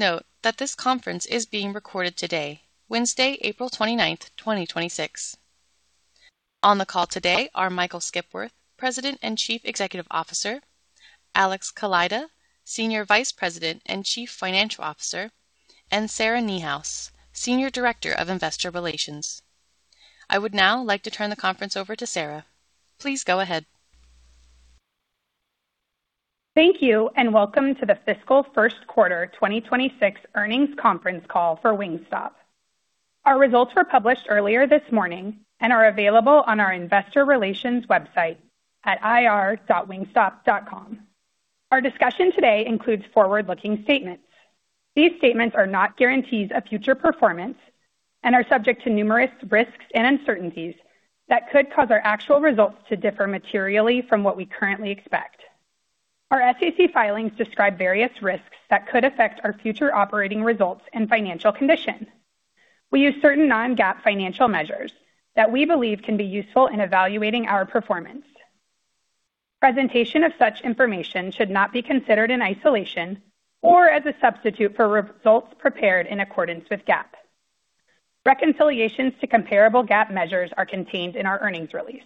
Note that this conference is being recorded today, Wednesday, April 29th, 2026. On the call today are Michael Skipworth, President and Chief Executive Officer, Alex Kaleida, Senior Vice President and Chief Financial Officer, and Sarah Niehaus, Senior Director of Investor Relations. I would now like to turn the conference over to Sarah. Please go ahead. Thank you, and welcome to the fiscal first quarter 2026 earnings conference call for Wingstop. Our results were published earlier this morning and are available on our Investor Relations website at ir.wingstop.com. Our discussion today includes forward-looking statements. These statements are not guarantees of future performance and are subject to numerous risks and uncertainties that could cause our actual results to differ materially from what we currently expect. Our SEC filings describe various risks that could affect our future operating results and financial condition. We use certain non-GAAP financial measures that we believe can be useful in evaluating our performance. Presentation of such information should not be considered in isolation or as a substitute for results prepared in accordance with GAAP. Reconciliations to comparable GAAP measures are contained in our earnings release.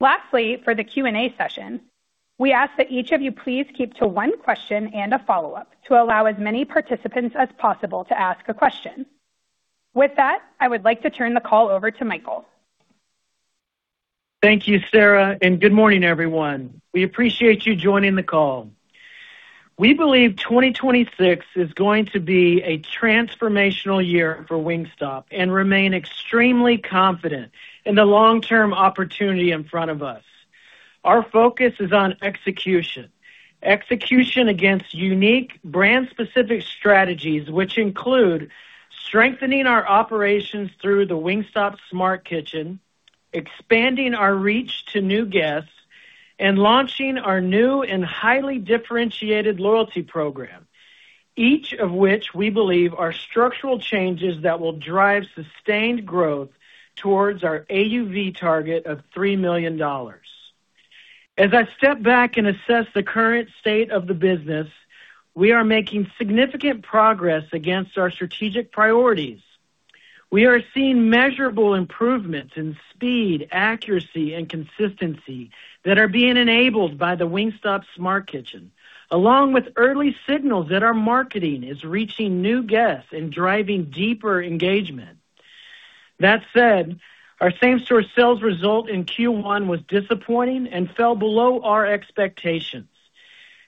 Lastly, for the Q&A session, we ask that each of you please keep to one question and a follow-up to allow as many participants as possible to ask a question. With that, I would like to turn the call over to Michael. Thank you, Sarah, and good morning, everyone. We appreciate you joining the call. We believe 2026 is going to be a transformational year for Wingstop and remain extremely confident in the long-term opportunity in front of us. Our focus is on execution. Execution against unique brand specific strategies, which include strengthening our operations through the Wingstop Smart Kitchen, expanding our reach to new guests, and launching our new and highly differentiated loyalty program, each of which we believe are structural changes that will drive sustained growth towards our AUV target of $3 million. As I step back and assess the current state of the business, we are making significant progress against our strategic priorities. We are seeing measurable improvements in speed, accuracy, and consistency that are being enabled by the Wingstop Smart Kitchen, along with early signals that our marketing is reaching new guests and driving deeper engagement. That said, our same-store sales result in Q1 was disappointing and fell below our expectations.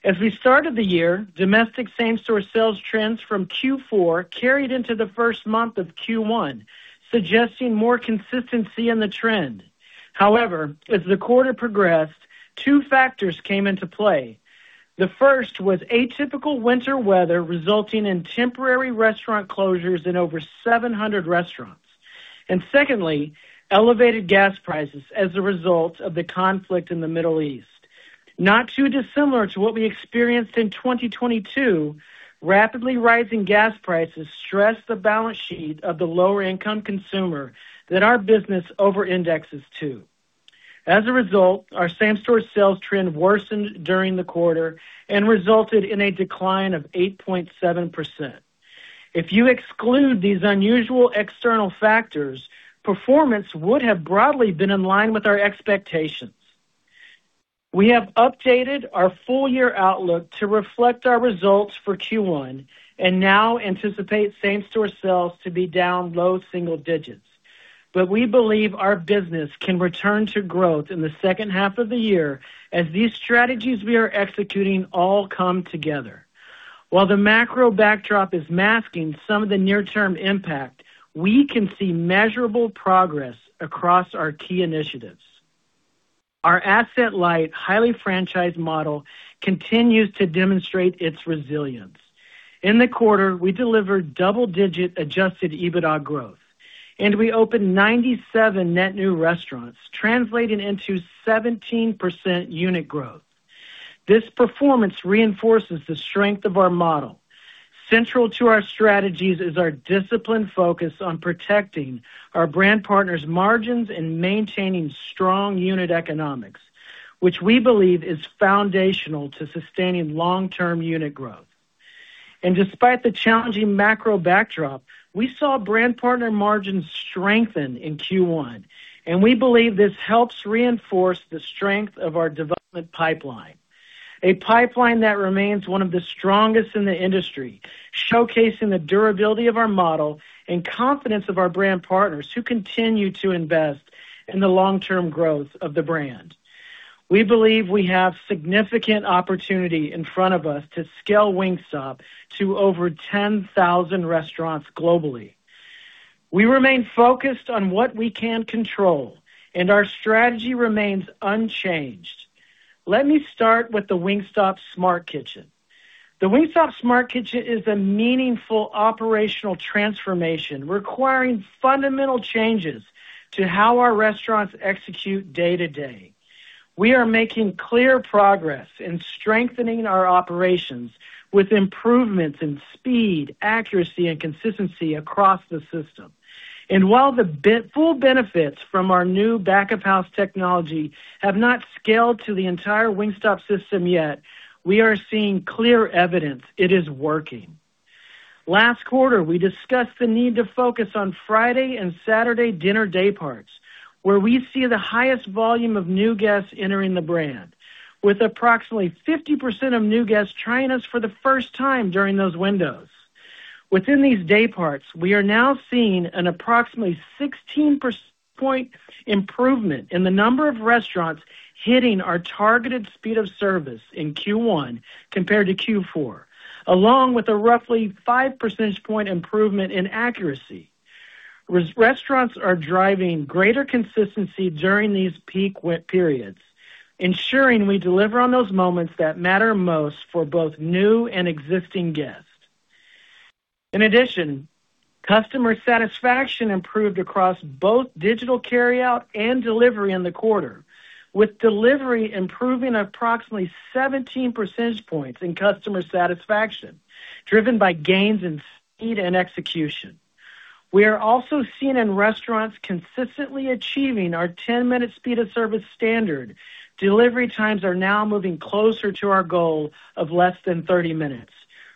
As we started the year, domestic same-store sales trends from Q4 carried into the first month of Q1, suggesting more consistency in the trend. However, as the quarter progressed, two factors came into play. The first was atypical winter weather resulting in temporary restaurant closures in over 700 restaurants. Secondly, elevated gas prices as a result of the conflict in the Middle East. Not too dissimilar to what we experienced in 2022, rapidly rising gas prices stressed the balance sheet of the lower income consumer that our business over-indexes to. As a result, our same-store sales trend worsened during the quarter and resulted in a decline of 8.7%. If you exclude these unusual external factors, performance would have broadly been in line with our expectations. We have updated our full year outlook to reflect our results for Q1 and now anticipate same-store sales to be down low single digits. We believe our business can return to growth in the second half of the year as these strategies we are executing all come together. While the macro backdrop is masking some of the near-term impact, we can see measurable progress across our key initiatives. Our asset light, highly franchised model continues to demonstrate its resilience. In the quarter, we delivered double-digit adjusted EBITDA growth, and we opened 97 net new restaurants, translating into 17% unit growth. This performance reinforces the strength of our model. Central to our strategies is our disciplined focus on protecting our brand partners margins and maintaining strong unit economics, which we believe is foundational to sustaining long-term unit growth. Despite the challenging macro backdrop, we saw brand partner margins strengthen in Q1, and we believe this helps reinforce the strength of our development pipeline. A pipeline that remains one of the strongest in the industry, showcasing the durability of our model and confidence of our brand partners who continue to invest in the long-term growth of the brand. We believe we have significant opportunity in front of us to scale Wingstop to over 10,000 restaurants globally. We remain focused on what we can control, and our strategy remains unchanged. Let me start with the Wingstop Smart Kitchen. The Wingstop Smart Kitchen is a meaningful operational transformation requiring fundamental changes to how our restaurants execute day to day. We are making clear progress in strengthening our operations with improvements in speed, accuracy, and consistency across the system. While the full benefits from our new back-of-house technology have not scaled to the entire Wingstop system yet, we are seeing clear evidence it is working. Last quarter, we discussed the need to focus on Friday and Saturday dinner day parts, where we see the highest volume of new guests entering the brand, with approximately 50% of new guests trying us for the first time during those windows. Within these day parts, we are now seeing an approximately 16 percentage point improvement in the number of restaurants hitting our targeted speed of service in Q1 compared to Q4, along with a roughly 5 percentage point improvement in accuracy. Restaurants are driving greater consistency during these peak periods, ensuring we deliver on those moments that matter most for both new and existing guests. In addition, customer satisfaction improved across both digital carryout and delivery in the quarter, with delivery improving approximately 17 percentage points in customer satisfaction, driven by gains in speed and execution. We are also seeing in restaurants consistently achieving our 10-minute speed of service standard. Delivery times are now moving closer to our goal of less than 30 minutes,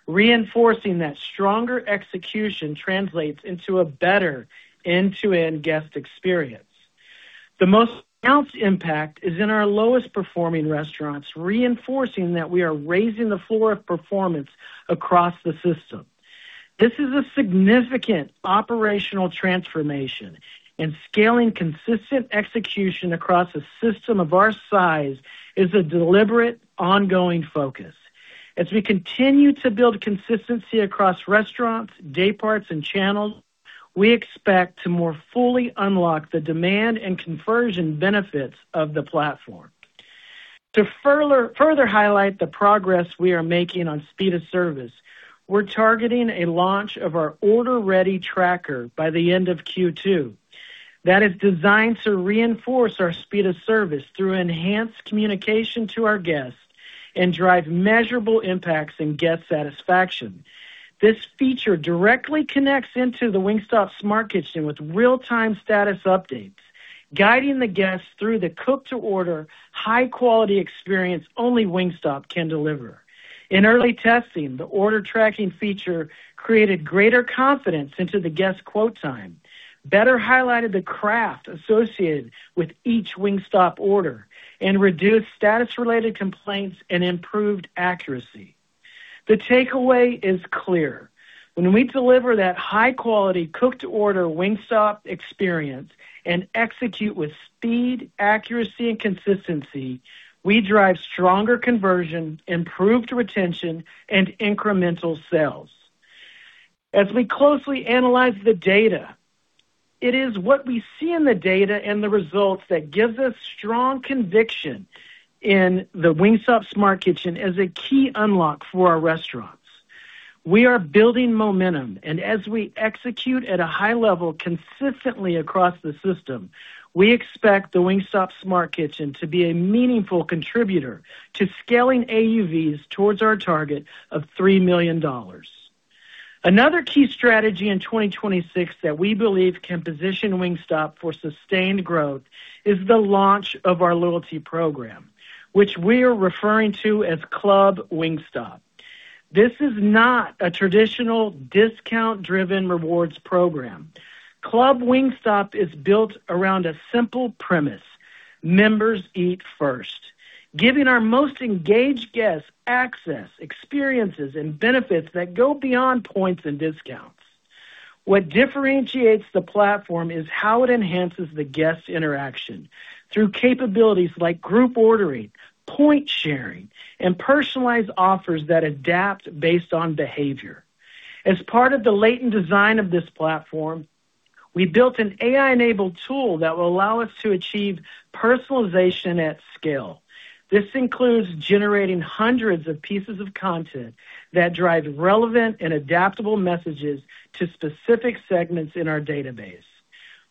reinforcing that stronger execution translates into a better end-to-end guest experience. The most pronounced impact is in our lowest performing restaurants, reinforcing that we are raising the floor of performance across the system. This is a significant operational transformation, and scaling consistent execution across a system of our size is a deliberate ongoing focus. As we continue to build consistency across restaurants, day parts, and channels, we expect to more fully unlock the demand and conversion benefits of the platform. To further highlight the progress we are making on speed of service, we're targeting a launch of our order-ready tracker by the end of Q2. That is designed to reinforce our speed of service through enhanced communication to our guests and drive measurable impacts in guest satisfaction. This feature directly connects into the Wingstop Smart Kitchen with real-time status updates, guiding the guests through the cook to order high quality experience only Wingstop can deliver. In early testing, the order tracking feature created greater confidence into the guest quote time, better highlighted the craft associated with each Wingstop order, and reduced status related complaints and improved accuracy. The takeaway is clear. When we deliver that high quality cook to order Wingstop experience and execute with speed, accuracy, and consistency, we drive stronger conversion, improved retention, and incremental sales. As we closely analyze the data, it is what we see in the data and the results that gives us strong conviction in the Wingstop Smart Kitchen as a key unlock for our restaurants. We are building momentum and as we execute at a high level consistently across the system, we expect the Wingstop Smart Kitchen to be a meaningful contributor to scaling AUVs towards our target of $3 million. Another key strategy in 2026 that we believe can position Wingstop for sustained growth is the launch of our loyalty program, which we are referring to as Club Wingstop. This is not a traditional discount-driven rewards program. Club Wingstop is built around a simple premise. Members eat first, giving our most engaged guests access, experiences, and benefits that go beyond points and discounts. What differentiates the platform is how it enhances the guest interaction through capabilities like group ordering, point sharing, and personalized offers that adapt based on behavior. As part of the latent design of this platform, we built an AI-enabled tool that will allow us to achieve personalization at scale. This includes generating hundreds of pieces of content that drive relevant and adaptable messages to specific segments in our database.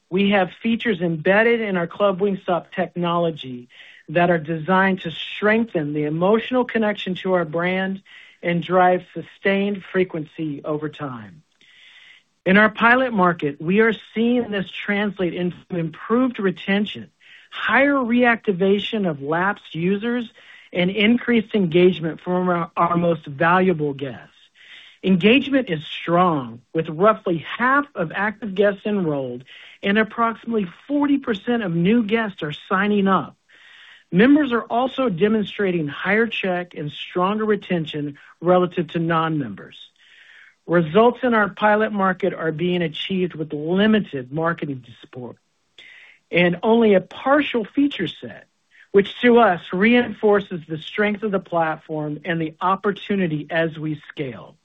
We have features embedded in our Club Wingstop technology that are designed to strengthen the emotional connection to our brand and drive sustained frequency over time. In our pilot market, we are seeing this translate into improved retention, higher reactivation of lapsed users, and increased engagement from our most valuable guests. Engagement is strong, with roughly half of active guests enrolled and approximately 40% of new guests are signing up. Members are also demonstrating higher check and stronger retention relative to non-members. Results in our pilot market are being achieved with limited marketing support and only a partial feature set, which to us reinforces the strength of the platform and the opportunity as we scale.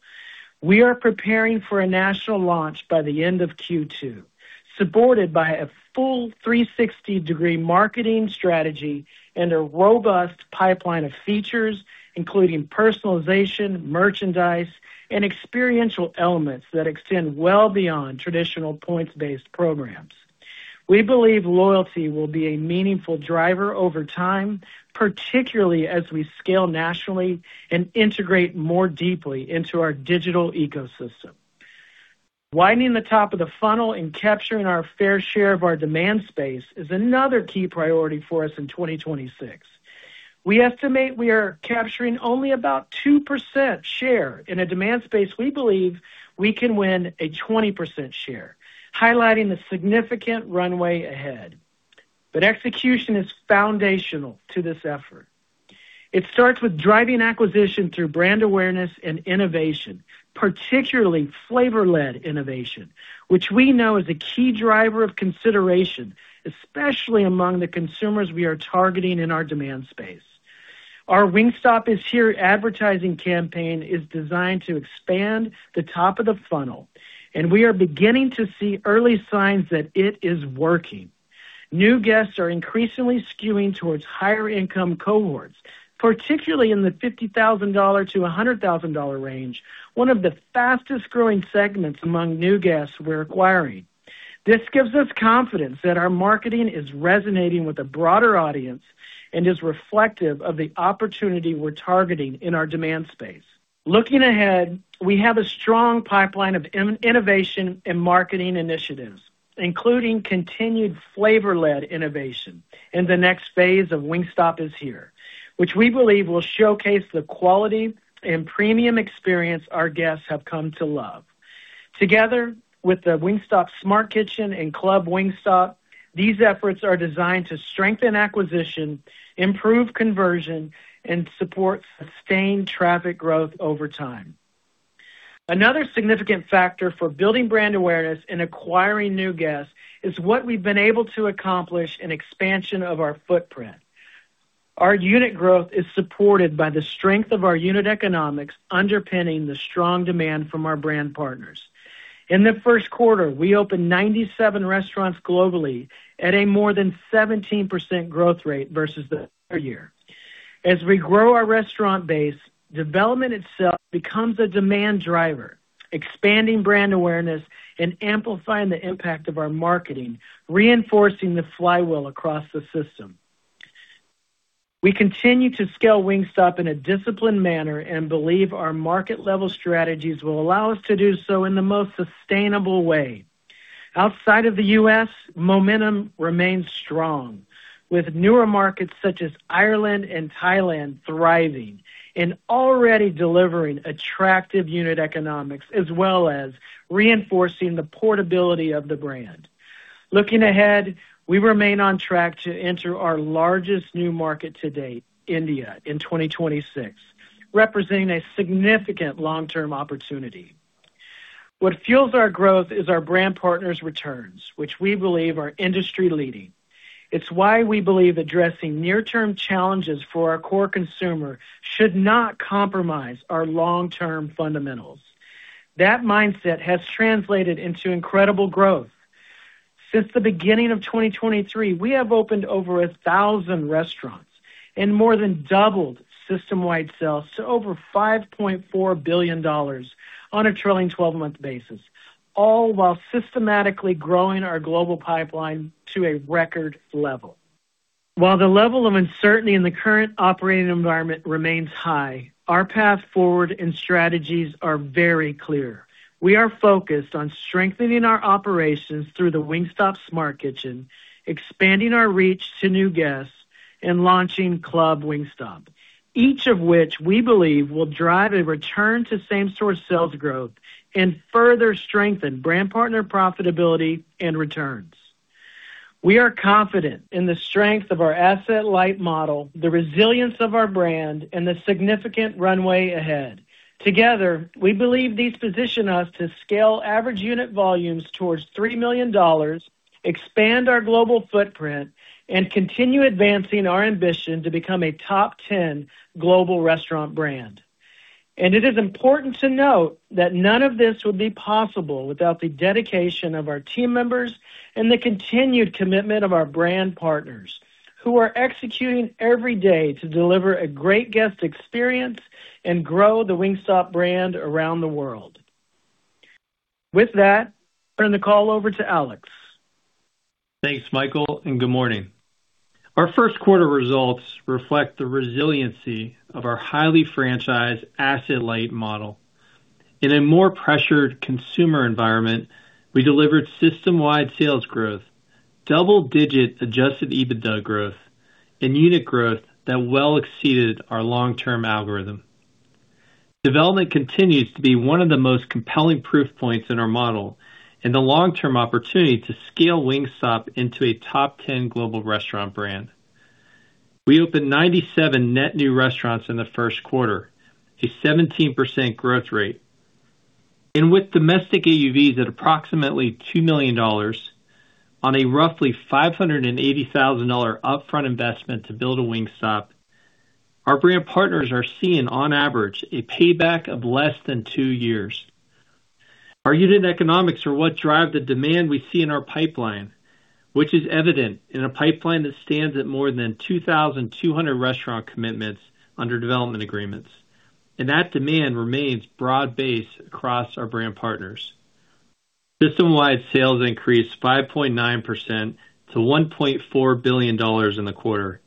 We are preparing for a national launch by the end of Q2, supported by a full 360-degree marketing strategy and a robust pipeline of features, including personalization, merchandise, and experiential elements that extend well beyond traditional points-based programs. We believe loyalty will be a meaningful driver over time, particularly as we scale nationally and integrate more deeply into our digital ecosystem. Widening the top of the funnel and capturing our fair share of our demand space is another key priority for us in 2026. We estimate we are capturing only about 2% share in a demand space we believe we can win a 20% share, highlighting the significant runway ahead. Execution is foundational to this effort. It starts with driving acquisition through brand awareness and innovation, particularly flavor-led innovation, which we know is a key driver of consideration, especially among the consumers we are targeting in our demand space. Our Wingstop is Here advertising campaign is designed to expand the top of the funnel, and we are beginning to see early signs that it is working. New guests are increasingly skewing towards higher income cohorts, particularly in the $50,000-$100,000 range, one of the fastest-growing segments among new guests we're acquiring. This gives us confidence that our marketing is resonating with a broader audience and is reflective of the opportunity we're targeting in our demand space. Looking ahead, we have a strong pipeline of in-innovation and marketing initiatives, including continued flavor-led innovation in the next phase of Wingstop is Here, which we believe will showcase the quality and premium experience our guests have come to love. Together with the Wingstop Smart Kitchen and Club Wingstop, these efforts are designed to strengthen acquisition, improve conversion, and support sustained traffic growth over time. Another significant factor for building brand awareness and acquiring new guests is what we've been able to accomplish in expansion of our footprint. Our unit growth is supported by the strength of our unit economics underpinning the strong demand from our brand partners. In the first quarter, we opened 97 restaurants globally at a more than 17% growth rate versus the prior year. As we grow our restaurant base, development itself becomes a demand driver, expanding brand awareness and amplifying the impact of our marketing, reinforcing the flywheel across the system. We continue to scale Wingstop in a disciplined manner and believe our market level strategies will allow us to do so in the most sustainable way. Outside of the U.S., momentum remains strong, with newer markets such as Ireland and Thailand thriving and already delivering attractive unit economics as well as reinforcing the portability of the brand. Looking ahead, we remain on track to enter our largest new market to date, India, in 2026, representing a significant long-term opportunity. What fuels our growth is our brand partners' returns, which we believe are industry-leading. It's why we believe addressing near-term challenges for our core consumer should not compromise our long-term fundamentals. That mindset has translated into incredible growth. Since the beginning of 2023, we have opened over 1,000 restaurants and more than doubled system-wide sales to over $5.4 billion on a trailing 12-month basis, all while systematically growing our global pipeline to a record level. While the level of uncertainty in the current operating environment remains high, our path forward and strategies are very clear. We are focused on strengthening our operations through the Wingstop Smart Kitchen, expanding our reach to new guests, and launching Club Wingstop, each of which we believe will drive a return to same-store sales growth and further strengthen brand partner profitability and returns. We are confident in the strength of our asset-light model, the resilience of our brand, and the significant runway ahead. Together, we believe these position us to scale average unit volumes towards $3 million, expand our global footprint, and continue advancing our ambition to become a top 10 global restaurant brand. It is important to note that none of this would be possible without the dedication of our team members and the continued commitment of our brand partners, who are executing every day to deliver a great guest experience and grow the Wingstop brand around the world. With that, I turn the call over to Alex. Thanks, Michael. Good morning. Our first quarter results reflect the resiliency of our highly franchised asset-light model. In a more pressured consumer environment, we delivered system-wide sales growth, double-digit adjusted EBITDA growth, and unit growth that well exceeded our long-term algorithm. Development continues to be one of the most compelling proof points in our model and the long-term opportunity to scale Wingstop into a top 10 global restaurant brand. We opened 97 net new restaurants in the first quarter, a 17% growth rate. With domestic AUVs at approximately $2 million on a roughly $580,000 upfront investment to build a Wingstop, our brand partners are seeing on average a payback of less than two years. Our unit economics are what drive the demand we see in our pipeline, which is evident in a pipeline that stands at more than 2,200 restaurant commitments under development agreements, and that demand remains broad-based across our brand partners. System-wide sales increased 5.9% to $1.4 billion in the quarter.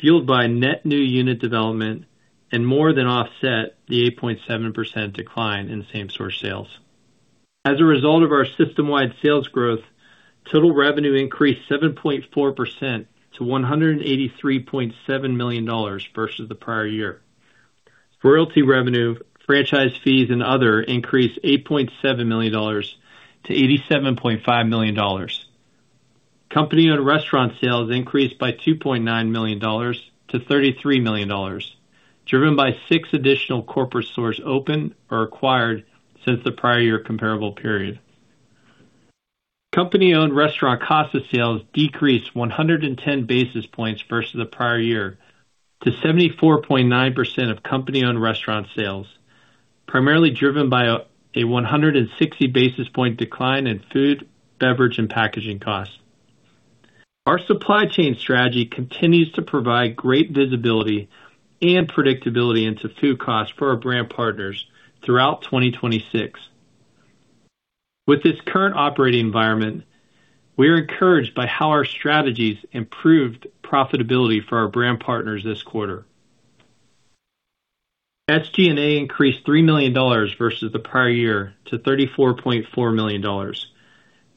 Fueled by net new unit development and more than offset the 8.7% decline in same-store sales. As a result of our system-wide sales growth, total revenue increased 7.4% to $183.7 million versus the prior year. Royalty revenue, franchise fees, and other increased $8.7 million to $87.5 million. Company-owned restaurant sales increased by $2.9 million to $33 million, driven by six additional corporate stores opened or acquired since the prior year comparable period. Company-owned restaurant cost of sales decreased 110 basis points versus the prior year to 74.9% of company-owned restaurant sales, primarily driven by a 160 basis points decline in food, beverage, and packaging costs. Our supply chain strategy continues to provide great visibility and predictability into food costs for our brand partners throughout 2026. With this current operating environment, we are encouraged by how our strategies improved profitability for our brand partners this quarter. SG&A increased $3 million versus the prior year to $34.4 million,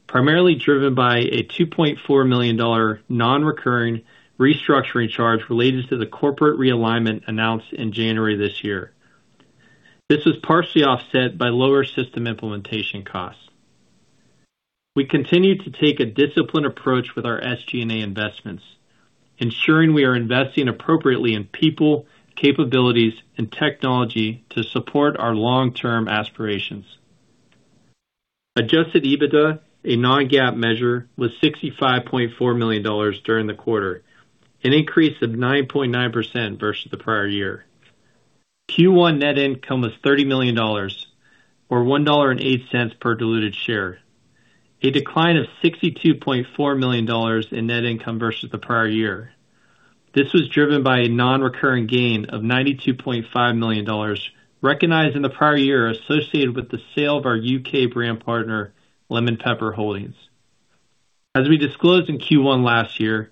primarily driven by a $2.4 million non-recurring restructuring charge related to the corporate realignment announced in January this year. This was partially offset by lower system implementation costs. We continue to take a disciplined approach with our SG&A investments, ensuring we are investing appropriately in people, capabilities, and technology to support our long-term aspirations. Adjusted EBITDA, a non-GAAP measure, was $65.4 million during the quarter, an increase of 9.9% versus the prior year. Q1 net income was $30 million, or $1.08 per diluted share, a decline of $62.4 million in net income versus the prior year. This was driven by a non-recurring gain of $92.5 million recognized in the prior year associated with the sale of our U.K. brand partner, Lemon Pepper Holdings. As we disclosed in Q1 last year,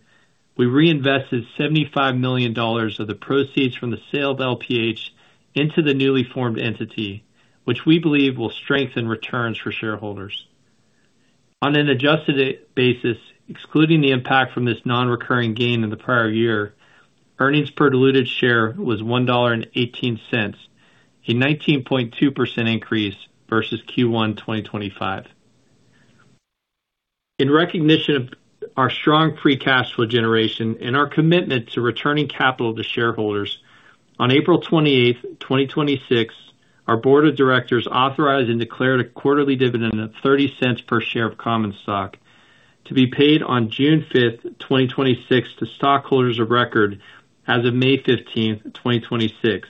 we reinvested $75 million of the proceeds from the sale of LPH into the newly formed entity, which we believe will strengthen returns for shareholders. On an adjusted basis, excluding the impact from this non-recurring gain in the prior year, earnings per diluted share was $1.18, a 19.2% increase versus Q1 2025. In recognition of our strong free cash flow generation and our commitment to returning capital to shareholders, on April 28, 2026, our board of directors authorized and declared a quarterly dividend of $0.30 per share of common stock to be paid on June 5th, 2026 to stockholders of record as of May 15th, 2026,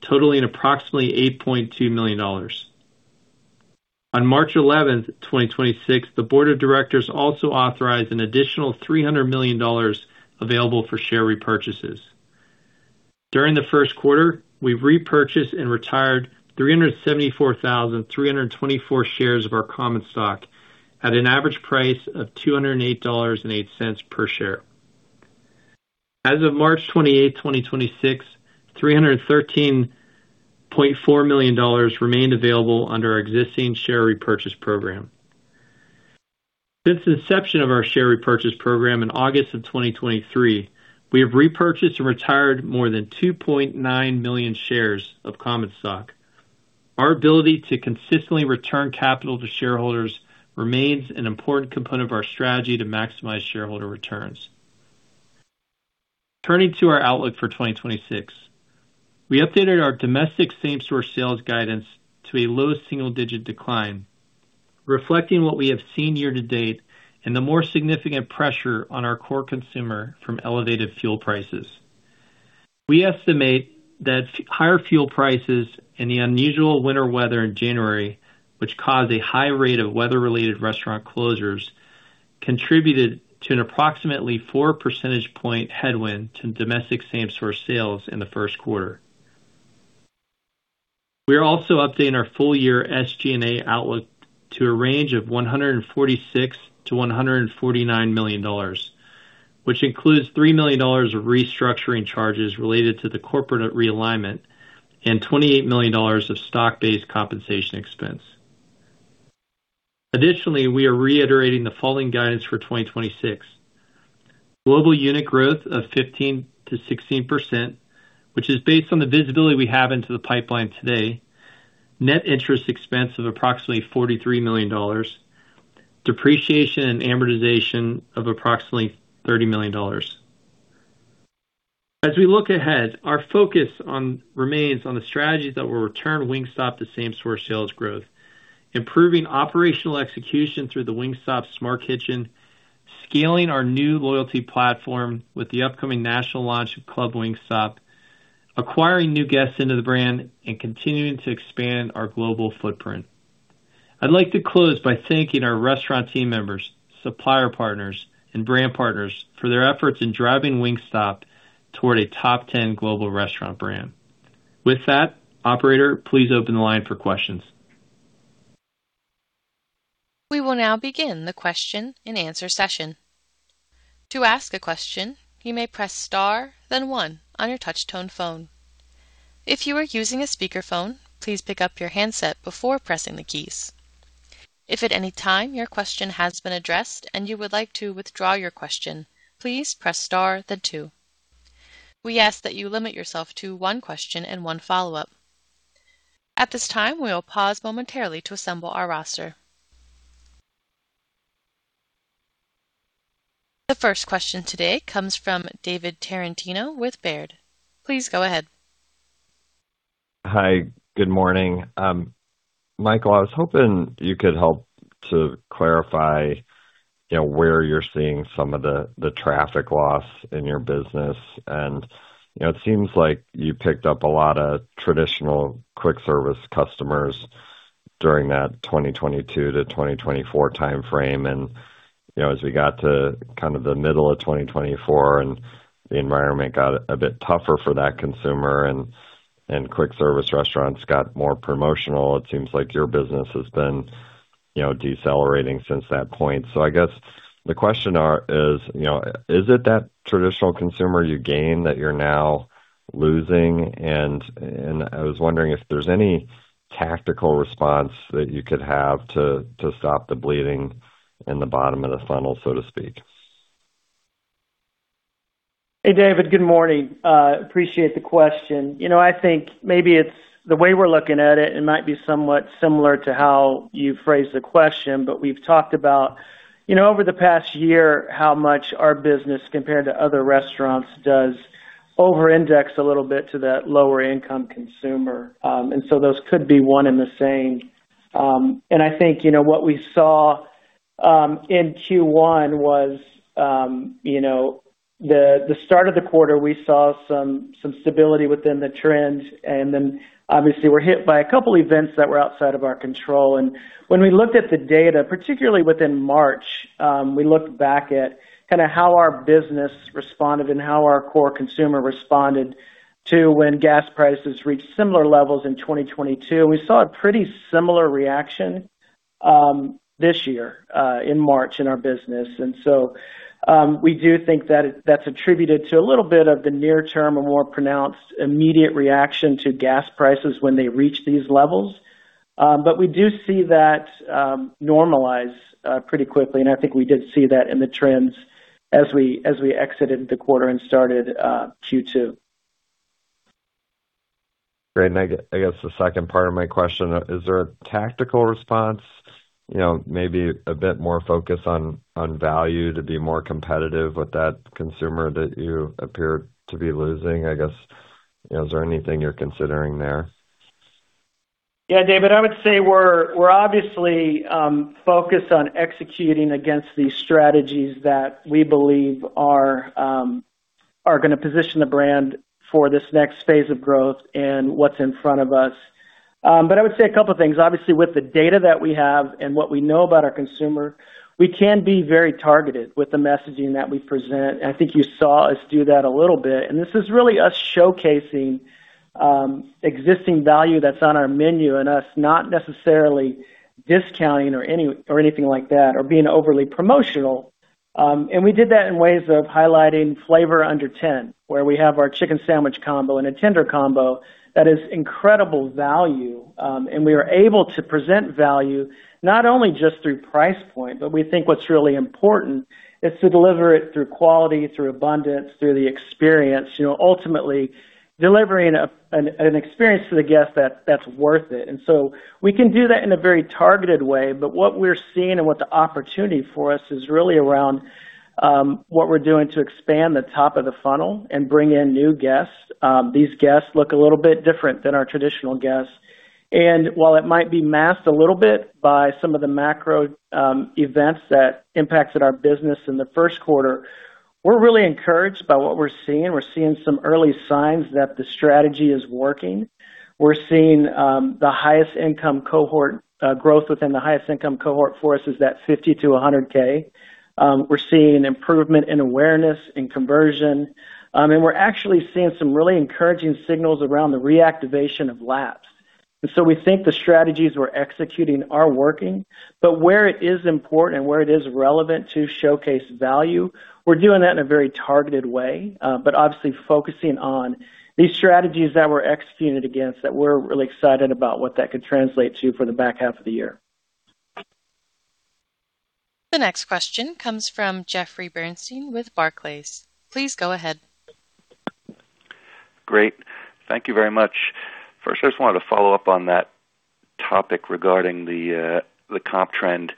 totaling approximately $8.2 million. On March 11th, 2026, the board of directors also authorized an additional $300 million available for share repurchases. During the first quarter, we repurchased and retired 374,324 shares of our common stock at an average price of $208.08 per share. As of March 28th, 2026, $313.4 million remained available under our existing share repurchase program. Since inception of our share repurchase program in August 2023, we have repurchased and retired more than 2.9 million shares of common stock. Our ability to consistently return capital to shareholders remains an important component of our strategy to maximize shareholder returns. Turning to our outlook for 2026, we updated our domestic same-store sales guidance to a low single-digit decline, reflecting what we have seen year-to-date and the more significant pressure on our core consumer from elevated fuel prices. We estimate that higher fuel prices and the unusual winter weather in January, which caused a high rate of weather-related restaurant closures, contributed to an approximately 4 percentage point headwind to domestic same-store sales in the first quarter. We are also updating our full-year SG&A outlook to a range of $146 million-$149 million, which includes $3 million of restructuring charges related to the corporate realignment and $28 million of stock-based compensation expense. Additionally, we are reiterating the following guidance for 2026: Global unit growth of 15%-16%, which is based on the visibility we have into the pipeline today. Net interest expense of approximately $43 million. Depreciation and amortization of approximately $39 million. As we look ahead, our focus remains on the strategies that will return Wingstop to same-store sales growth, improving operational execution through the Wingstop Smart Kitchen, scaling our new loyalty platform with the upcoming national launch of Club Wingstop, acquiring new guests into the brand, and continuing to expand our global footprint. I'd like to close by thanking our restaurant team members, supplier partners, and brand partners for their efforts in driving Wingstop toward a top 10 global restaurant brand. With that, operator, please open the line for questions. We will now begin the question and answer session. To ask a question, you may press star then one on your touch-tone phone. If you are using a speakerphone, please pick up your handset before pressing the keys. If at any time your question has been addressed and you would like to withdraw your question, please press star then two. We ask that you limit yourself to one question and one follow-up. At this time, we will pause momentarily to assemble our roster. The first question today comes from David Tarantino with Baird. Please go ahead. Hi. Good morning. Michael, I was hoping you could help to clarify, you know, where you're seeing some of the traffic loss in your business. You know, it seems like you picked up a lot of traditional quick service customers during that 2022 to 2024 time frame. You know, as we got to kind of the middle of 2024 and the environment got a bit tougher for that consumer and quick service restaurants got more promotional, it seems like your business has been, you know, decelerating since that point. I guess the question is, you know, is it that traditional consumer you gain that you're now losing? And I was wondering if there's any tactical response that you could have to stop the bleeding in the bottom of the funnel, so to speak. Hey, David. Good morning. Appreciate the question. You know, I think maybe it's the way we're looking at it. It might be somewhat similar to how you phrased the question. We've talked about, you know, over the past year, how much our business, compared to other restaurants, does over-index a little bit to that lower income consumer. Those could be one and the same. I think, you know, what we saw in Q1 was, you know, the start of the quarter, we saw some stability within the trends. Obviously we're hit by a couple events that were outside of our control. When we looked at the data, particularly within March, we looked back at kind of how our business responded and how our core consumer responded to when gas prices reached similar levels in 2022. We saw a pretty similar reaction this year in March in our business. We do think that that's attributed to a little bit of the near term, a more pronounced immediate reaction to gas prices when they reach these levels. We do see that normalize pretty quickly, and I think we did see that in the trends as we exited the quarter and started Q2. Great. I guess the second part of my question, is there a tactical response, you know, maybe a bit more focus on value to be more competitive with that consumer that you appear to be losing? I guess, you know, is there anything you're considering there? Yeah, David, I would say we're obviously focused on executing against these strategies that we believe are going to position the brand for this next phase of growth and what's in front of us. I would say a couple of things. Obviously, with the data that we have and what we know about our consumer, we can be very targeted with the messaging that we present. I think you saw us do that a little bit, and this is really us showcasing existing value that's on our menu and us not necessarily discounting or anything like that or being overly promotional. We did that in ways of highlighting flavor under ten, where we have our chicken sandwich combo and a tender combo that is incredible value. We are able to present value not only just through price point, but we think what's really important is to deliver it through quality, through abundance, through the experience. You know, ultimately delivering an experience to the guest that's worth it. We can do that in a very targeted way. What we're seeing and what the opportunity for us is really around what we're doing to expand the top of the funnel and bring in new guests. These guests look a little bit different than our traditional guests. While it might be masked a little bit by some of the macro events that impacted our business in the first quarter, we're really encouraged by what we're seeing. We're seeing some early signs that the strategy is working. We're seeing the highest income cohort, growth within the highest income cohort for us is that $50,000-$100,000. We're seeing an improvement in awareness and conversion. We're actually seeing some really encouraging signals around the reactivation of lapsed. We think the strategies we're executing are working. Where it is important and where it is relevant to showcase value, we're doing that in a very targeted way. Obviously focusing on these strategies that we're executing against, that we're really excited about what that could translate to for the back half of the year. The next question comes from Jeffrey Bernstein with Barclays. Please go ahead. Great. Thank you very much. First, I just wanted to follow up on that topic regarding the comp trend.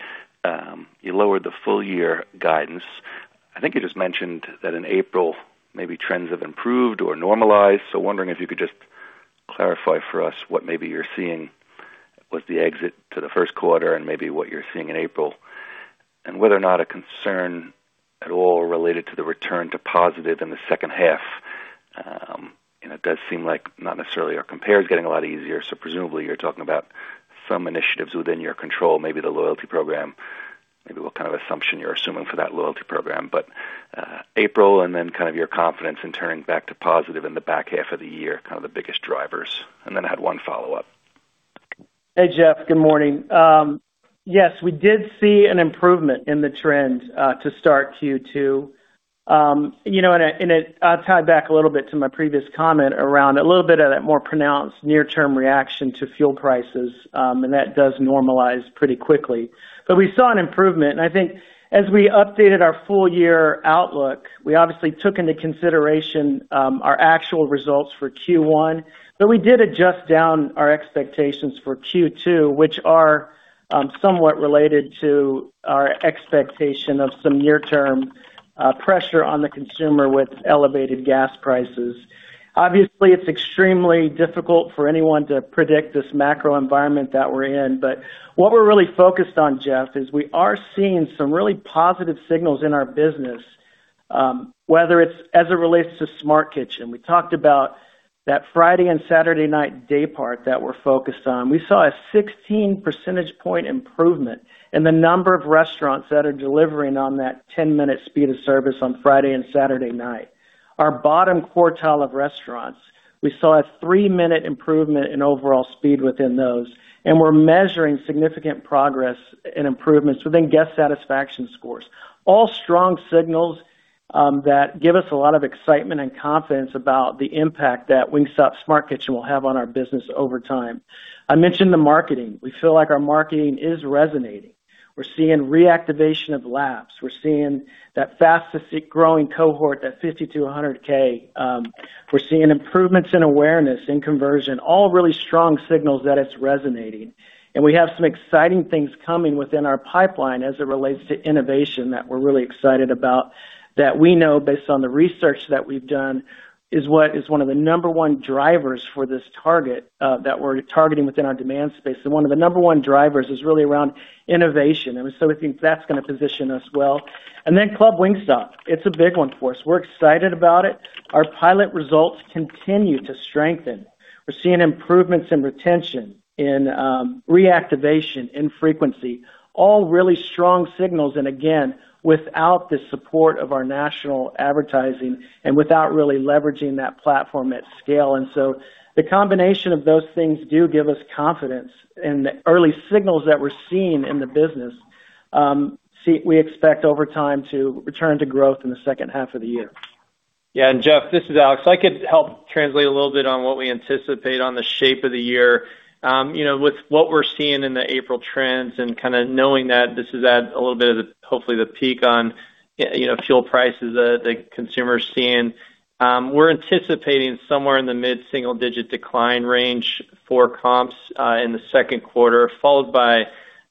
You lowered the full year guidance. I think you just mentioned that in April, maybe trends have improved or normalized. Wondering if you could just clarify for us what maybe you're seeing with the exit to the first quarter and maybe what you're seeing in April and whether or not a concern at all related to the return to positive in the second half. It does seem like not necessarily our compare is getting a lot easier. Presumably you're talking about some initiatives within your control, maybe the loyalty program, maybe what kind of assumption you're assuming for that loyalty program. April, then kind of your confidence in turning back to positive in the back half of the year, kind of the biggest drivers. Then I had one follow-up. Hey, Jeff, good morning. Yes, we did see an improvement in the trend to start Q2. you know, and it tied back a little bit to my previous comment around a little bit of that more pronounced near-term reaction to fuel prices. That does normalize pretty quickly. We saw an improvement, and I think as we updated our full year outlook, we obviously took into consideration our actual results for Q1. We did adjust down our expectations for Q2, which are somewhat related to our expectation of some near-term pressure on the consumer with elevated gas prices. Obviously, it's extremely difficult for anyone to predict this macro environment that we're in, but what we're really focused on, Jeffrey, is we are seeing some really positive signals in our business, whether it's as it relates to Smart Kitchen. We talked about that Friday and Saturday night day part that we're focused on. We saw a 16 percentage point improvement in the number of restaurants that are delivering on that 10-minute speed of service on Friday and Saturday night. Our bottom quartile of restaurants, we saw a three-minute improvement in overall speed within those, and we're measuring significant progress and improvements within guest satisfaction scores. All strong signals that give us a lot of excitement and confidence about the impact that Wingstop's Smart Kitchen will have on our business over time. I mentioned the marketing. We feel like our marketing is resonating. We're seeing reactivation of lapse. We're seeing that fastest growing cohort, that $50,000-$100,000. We're seeing improvements in awareness, in conversion, all really strong signals that it's resonating. We have some exciting things coming within our pipeline as it relates to innovation that we're really excited about. That we know based on the research that we've done is what is one of the number one drivers for this target, that we're targeting within our demand space. One of the number one drivers is really around innovation. So we think that's gonna position us well. Then Club Wingstop, it's a big one for us. We're excited about it. Our pilot results continue to strengthen. We're seeing improvements in retention, in reactivation, in frequency, all really strong signals, again, without the support of our national advertising and without really leveraging that platform at scale. The combination of those things do give us confidence in the early signals that we're seeing in the business, we expect over time to return to growth in the second half of the year. Yeah. Jeff, this is Alex. I could help translate a little bit on what we anticipate on the shape of the year. You know, with what we're seeing in the April trends and kind of knowing that this is at a little bit of the, hopefully the peak on, you know, fuel prices that the consumer is seeing, we're anticipating somewhere in the mid-single-digit decline range for comps in the second quarter, followed by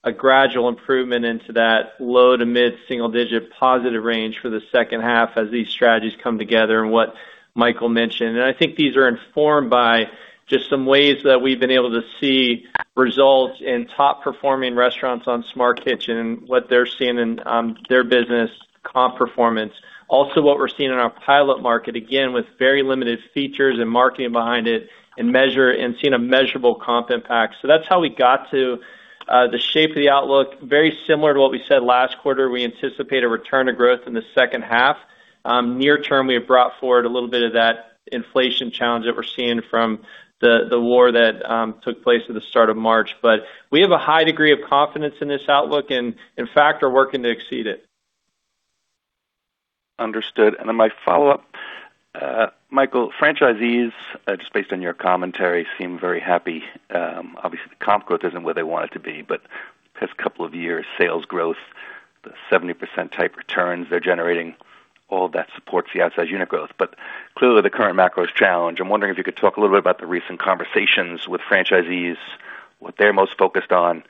a gradual improvement into that low to mid-single digit positive range for the second half as these strategies come together and what Michael mentioned. I think these are informed by just some ways that we've been able to see results in top performing restaurants on Smart Kitchen and what they're seeing in their business comp performance. What we're seeing in our pilot market, again, with very limited features and marketing behind it and seeing a measurable comp impact. That's how we got to the shape of the outlook. Very similar to what we said last quarter. We anticipate a return to growth in the second half. Near term, we have brought forward a little bit of that inflation challenge that we're seeing from the war that took place at the start of March. We have a high degree of confidence in this outlook and in fact, are working to exceed it. Understood. Then my follow-up, Michael, franchisees, just based on your commentary, seem very happy. Obviously, the comp growth isn't where they want it to be, past couple of years, sales growth, the 70% type returns they're generating, all that supports the outsize unit growth. Clearly the current macro's challenge. I'm wondering if you could talk a little bit about the recent conversations with franchisees, what they're most focused on,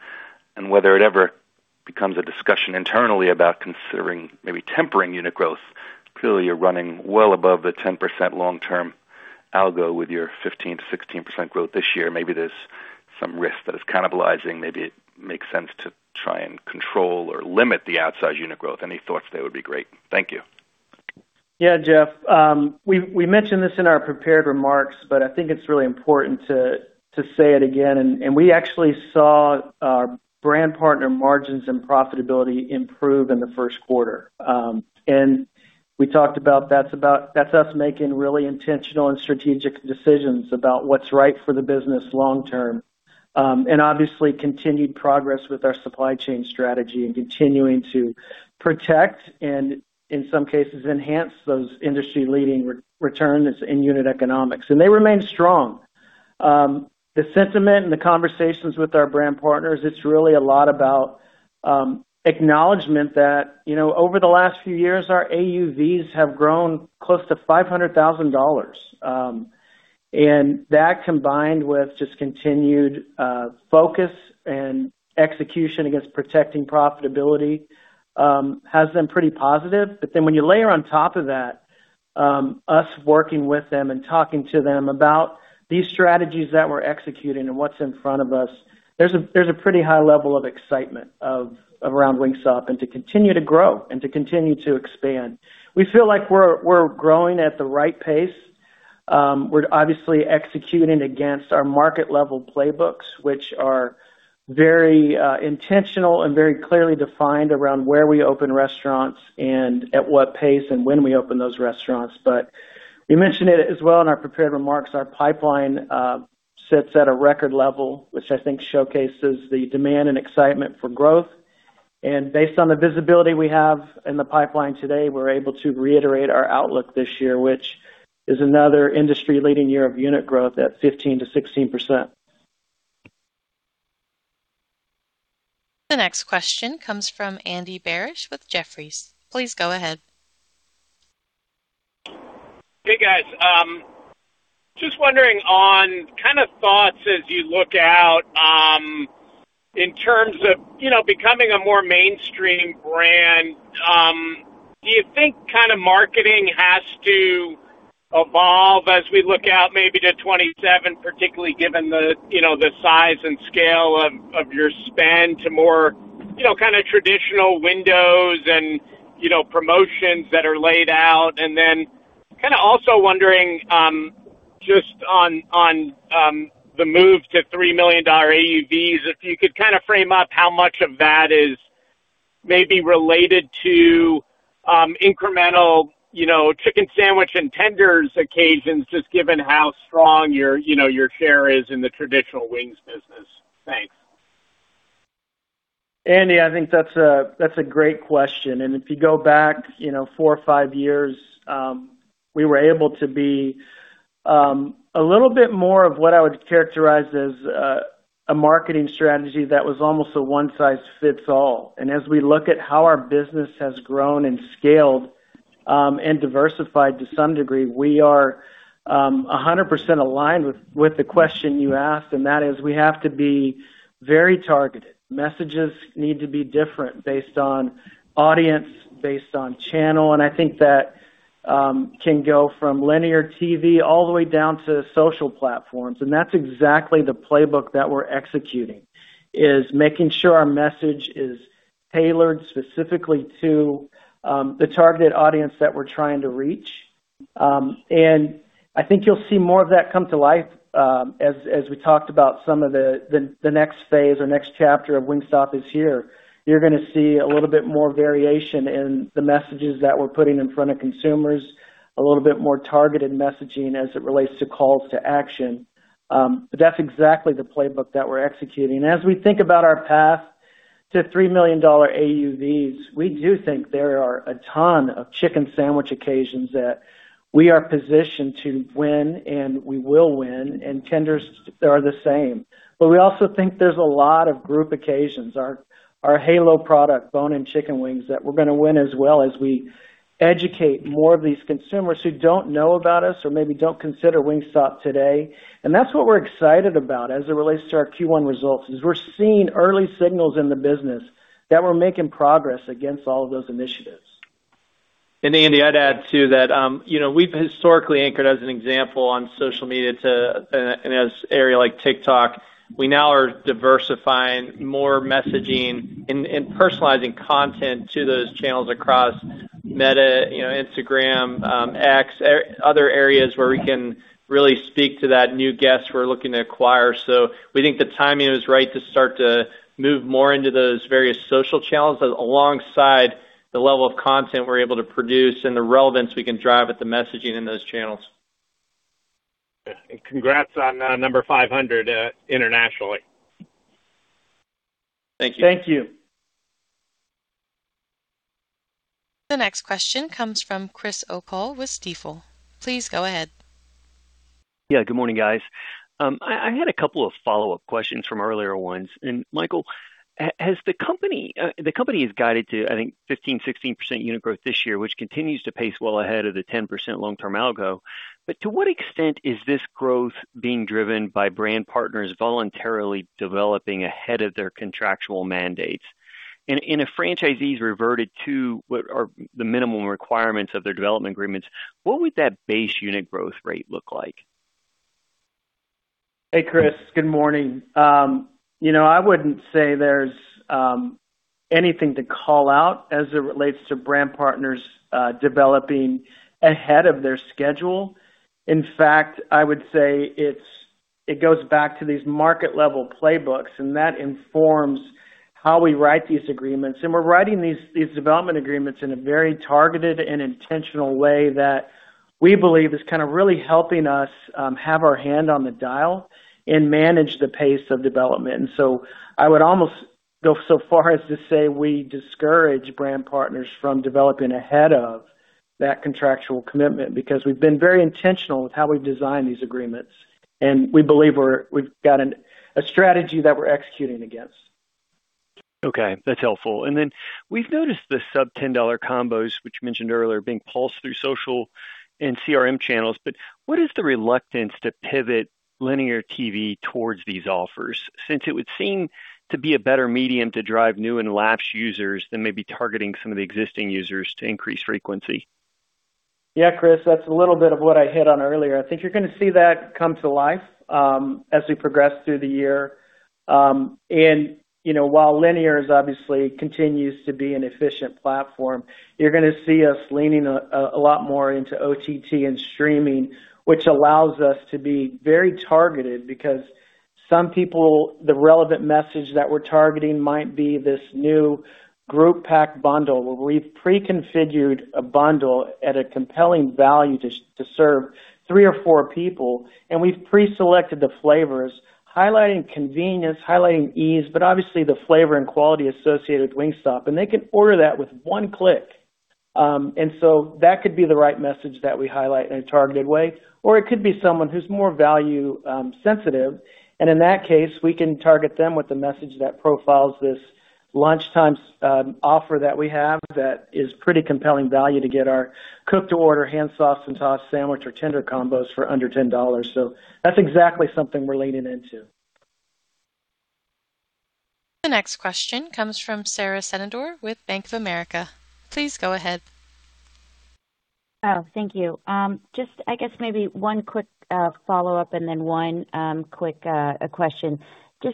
and whether it ever becomes a discussion internally about considering maybe tempering unit growth. Clearly, you're running well above the 10% long-term algo with your 15%-16% growth this year. Maybe there's some risk that it's cannibalizing. Maybe it makes sense to try and control or limit the outsize unit growth. Any thoughts there would be great. Thank you. Yeah, Jeff. We mentioned this in our prepared remarks, but I think it's really important to say it again. We actually saw our brand partner margins and profitability improve in the first quarter. We talked about that's us making really intentional and strategic decisions about what's right for the business long term. Obviously continued progress with our supply chain strategy and continuing to protect and in some cases enhance those industry leading return that's in unit economics. They remain strong. The sentiment and the conversations with our brand partners, it's really a lot about acknowledgment that, you know, over the last few years, our AUVs have grown close to $500,000. That combined with just continued focus and execution against protecting profitability has been pretty positive. When you layer on top of that, us working with them and talking to them about these strategies that we're executing and what's in front of us, there's a pretty high level of excitement of, around Wingstop and to continue to grow and to continue to expand. We feel like we're growing at the right pace. We're obviously executing against our market level playbooks, which are very intentional and very clearly defined around where we open restaurants and at what pace and when we open those restaurants. We mentioned it as well in our prepared remarks. Our pipeline sits at a record level, which I think showcases the demand and excitement for growth. Based on the visibility we have in the pipeline today, we're able to reiterate our outlook this year, which is another industry-leading year of unit growth at 15%-16%. The next question comes from Andy Barish with Jefferies. Please go ahead. Hey, guys. Just wondering on kind of thoughts as you look out, in terms of, you know, becoming a more mainstream brand, do you think kind of marketing has to evolve as we look out maybe to 2027, particularly given the, you know, the size and scale of your spend to more, you know, kind of traditional windows and, you know, promotions that are laid out? Also wondering, just on the move to $3 million AUVs, if you could kind of frame up how much of that is maybe related to incremental, you know, chicken sandwich and tenders occasions, just given how strong your, you know, your share is in the traditional wings business. Thanks. Andy, I think that's a great question. If you go back, you know, four or five years, we were able to be a little bit more of what I would characterize as a marketing strategy that was almost a one size fits all. As we look at how our business has grown and scaled and diversified to some degree, we are 100% aligned with the question you asked, and that is we have to be very targeted. Messages need to be different based on audience, based on channel, and I think that can go from linear TV all the way down to social platforms. That's exactly the playbook that we're executing, is making sure our message is tailored specifically to the targeted audience that we're trying to reach. I think you'll see more of that come to life, as we talked about some of the next phase or next chapter of Wingstop is Here. You're gonna see a little bit more variation in the messages that we're putting in front of consumers, a little bit more targeted messaging as it relates to calls to action. That's exactly the playbook that we're executing. As we think about our path to $3 million AUVs, we do think there are a ton of chicken sandwich occasions that we are positioned to win, and we will win, and tenders are the same. We also think there's a lot of group occasions, our halo product, bone and chicken wings, that we're gonna win as well as we educate more of these consumers who don't know about us or maybe don't consider Wingstop today. That's what we're excited about as it relates to our Q1 results, is we're seeing early signals in the business that we're making progress against all of those initiatives. Andy, I'd add too that, you know, we've historically anchored as an example on social media in an area like TikTok. We now are diversifying more messaging and personalizing content to those channels across Meta, you know, Instagram, X, other areas where we can really speak to that new guest we're looking to acquire. We think the timing is right to start to move more into those various social channels alongside the level of content we're able to produce and the relevance we can drive with the messaging in those channels. Congrats on number 500 internationally. Thank you. Thank you. The next question comes from Chris O'Cull with Stifel. Please go ahead. Yeah, good morning, guys. I had a couple of follow-up questions from earlier ones. Michael, as the company has guided to, I think, 15%-16% unit growth this year, which continues to pace well ahead of the 10% long-term algo. To what extent is this growth being driven by brand partners voluntarily developing ahead of their contractual mandates? If franchisees reverted to what are the minimum requirements of their development agreements, what would that base unit growth rate look like? Hey, Chris. Good morning. You know, I wouldn't say there's anything to call out as it relates to brand partners developing ahead of their schedule. In fact, I would say it goes back to these market level playbooks. That informs how we write these agreements. We're writing these development agreements in a very targeted and intentional way that we believe is kind of really helping us have our hand on the dial and manage the pace of development. I would almost go so far as to say we discourage brand partners from developing ahead of that contractual commitment because we've been very intentional with how we've designed these agreements, and we believe we've got a strategy that we're executing against. Okay, that's helpful. We've noticed the sub $10 combos, which you mentioned earlier, being pulsed through social and CRM channels. What is the reluctance to pivot linear TV towards these offers, since it would seem to be a better medium to drive new and lapsed users than maybe targeting some of the existing users to increase frequency? Yeah, Chris, that's a little bit of what I hit on earlier. I think you're gonna see that come to life as we progress through the year. You know, while linear is obviously continues to be an efficient platform, you're gonna see us leaning a lot more into OTT and streaming, which allows us to be very targeted because some people, the relevant message that we're targeting might be this new group pack bundle, where we've pre-configured a bundle at a compelling value to serve three or four people, and we've pre-selected the flavors, highlighting convenience, highlighting ease, but obviously the flavor and quality associated with Wingstop, and they can order that with one click. That could be the right message that we highlight in a targeted way. It could be someone who's more value sensitive, and in that case, we can target them with a message that profiles this lunchtime offer that we have that is pretty compelling value to get our cooked to order hand sauced and tossed sandwich or tender combos for under $10. That's exactly something we're leaning into. The next question comes from Sara Senatore with Bank of America. Please go ahead. Thank you. Just I guess maybe one quick follow-up and then one quick question.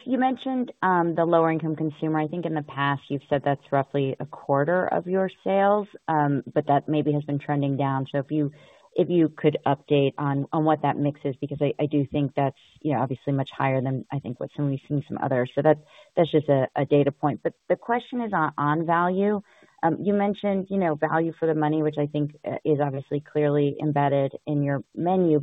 You mentioned the lower income consumer. I think in the past you've said that's roughly a quarter of your sales, but that maybe has been trending down. If you, if you could update on what that mix is because I do think that's, you know, obviously much higher than I think what some we've seen some others. That's just a data point. The question is on value. You mentioned, you know, value for the money, which I think is obviously clearly embedded in your menu.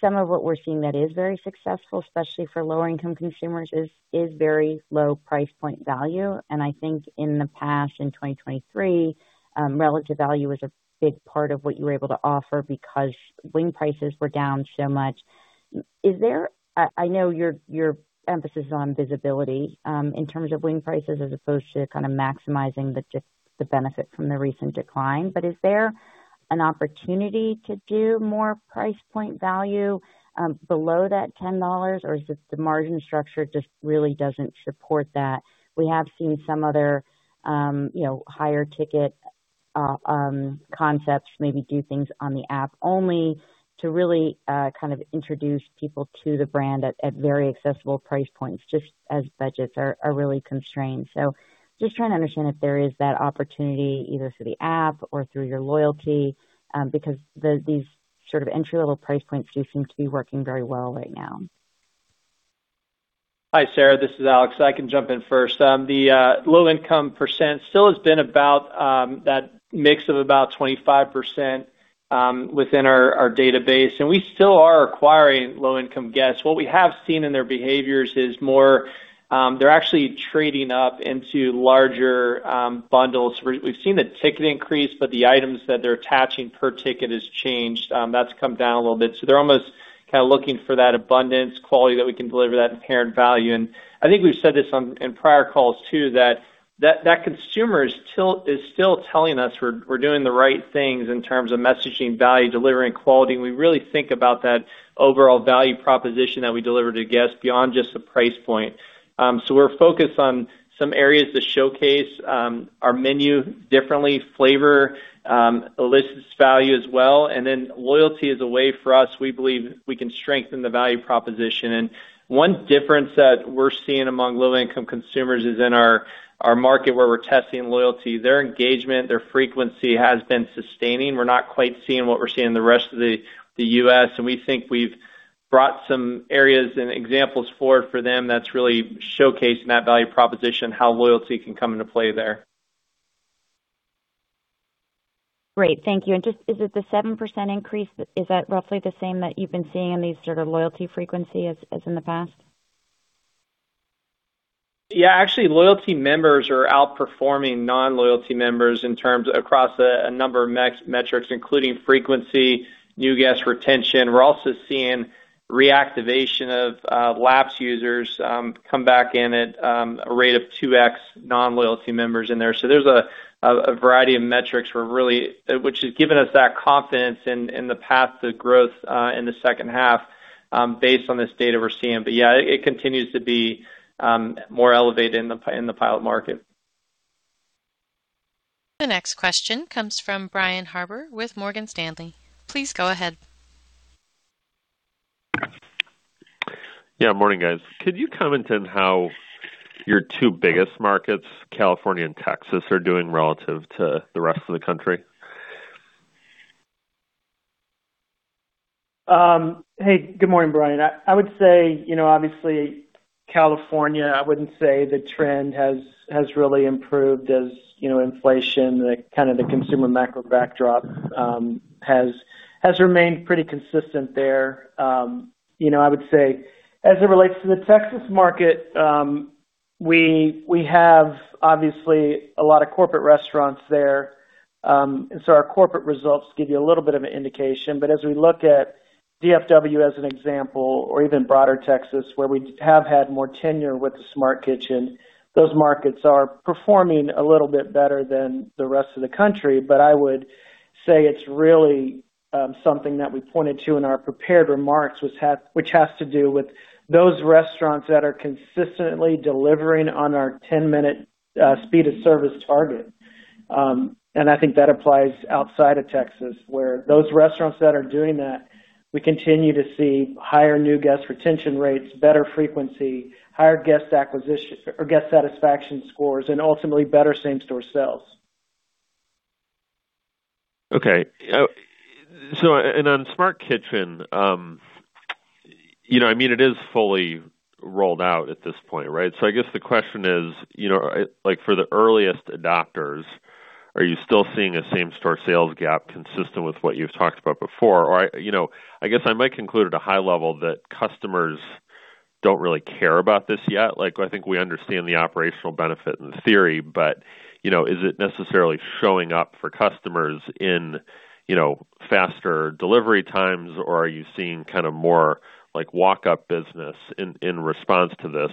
Some of what we're seeing that is very successful, especially for lower income consumers, is very low price point value. I think in the past, in 2023, relative value was a big part of what you were able to offer because wing prices were down so much. I know your emphasis is on visibility in terms of wing prices as opposed to kind of maximizing the benefit from the recent decline. Is there an opportunity to do more price point value below that $10, or is it the margin structure just really doesn't support that? We have seen some other, you know, higher ticket concepts maybe do things on the app only to really introduce people to the brand at very accessible price points, just as budgets are really constrained. Just trying to understand if there is that opportunity either through the app or through your loyalty, because these sort of entry-level price points do seem to be working very well right now. Hi, Sarah, this is Alex. I can jump in first. The low-income percent still has been about that mix of about 25% within our database, and we still are acquiring low-income guests. What we have seen in their behaviors is more, they're actually trading up into larger bundles. We've seen the ticket increase, the items that they're attaching per ticket has changed. That's come down a little bit. They're almost kind of looking for that abundance quality that we can deliver that inherent value. I think we've said this on in prior calls too, that consumer is still telling us we're doing the right things in terms of messaging value, delivering quality, and we really think about that overall value proposition that we deliver to guests beyond just the price point. So we're focused on some areas to showcase our menu differently. Flavor elicits value as well. Then loyalty is a way for us, we believe we can strengthen the value proposition. One difference that we're seeing among low income consumers is in our market where we're testing loyalty. Their engagement, their frequency has been sustaining. We're not quite seeing what we're seeing in the rest of the U.S., and we think we've brought some areas and examples forward for them that's really showcasing that value proposition, how loyalty can come into play there. Great. Thank you. Just is it the 7% increase, is that roughly the same that you've been seeing in these sort of loyalty frequency as in the past? Actually, loyalty members are outperforming non-loyalty members in terms across a number of metrics, including frequency, new guest retention. We're also seeing reactivation of lapsed users come back in at a rate of 2x non-loyalty members in there. There's a variety of metrics which has given us that confidence in the path to growth in the second half based on this data we're seeing. It continues to be more elevated in the pilot market. The next question comes from Brian Harbour with Morgan Stanley. Please go ahead. Yeah. Morning, guys. Could you comment on how your two biggest markets, California and Texas, are doing relative to the rest of the country? Hey, good morning, Brian. I would say, obviously California, I wouldn't say the trend has really improved as inflation, the kind of the consumer macro backdrop, has remained pretty consistent there. I would say as it relates to the Texas market, we have obviously a lot of corporate restaurants there, and so our corporate results give you a little bit of an indication. As we look at DFW as an example or even broader Texas, where we have had more tenure with the smart kitchen, those markets are performing a little bit better than the rest of the country. I would say it's really something that we pointed to in our prepared remarks, which has to do with those restaurants that are consistently delivering on our 10-minute speed of service target. I think that applies outside of Texas, where those restaurants that are doing that, we continue to see higher new guest retention rates, better frequency, higher guest acquisition or guest satisfaction scores, and ultimately better same-store sales. Okay. On Smart Kitchen, it is fully rolled out at this point, right? I guess the question is, for the earliest adopters, are you still seeing a same-store sales gap consistent with what you've talked about before? I guess I might conclude at a high level that customers don't really care about this yet. I think we understand the operational benefit in theory, but is it necessarily showing up for customers in faster delivery times, or are you seeing more walk-up business in response to this?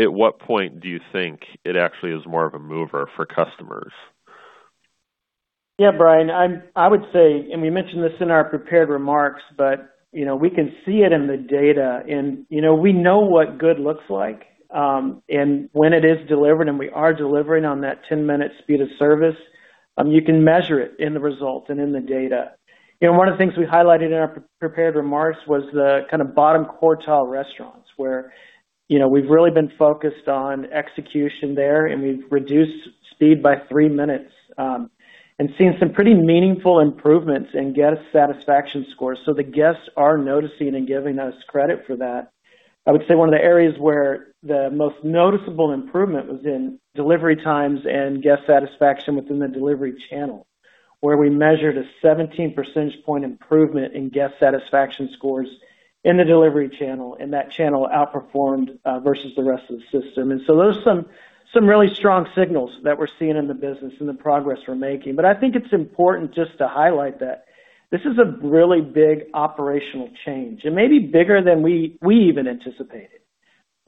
At what point do you think it actually is more of a mover for customers? Yeah, Brian, I would say, and we mentioned this in our prepared remarks, but, you know, we can see it in the data and, you know, we know what good looks like, and when it is delivered, and we are delivering on that 10-minute speed of service. You can measure it in the results and in the data. You know, one of the things we highlighted in our prepared remarks was the kind of bottom quartile restaurants where, you know, we've really been focused on execution there, and we've reduced speed by three minutes, and seen some pretty meaningful improvements in guest satisfaction scores. The guests are noticing and giving us credit for that. I would say one of the areas where the most noticeable improvement was in delivery times and guest satisfaction within the delivery channel, where we measured a 17 percentage point improvement in guest satisfaction scores in the delivery channel, that channel outperformed versus the rest of the system. Those are some really strong signals that we're seeing in the business and the progress we're making. I think it's important just to highlight that this is a really big operational change. It may be bigger than we even anticipated.